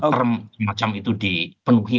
term macam itu dipenuhi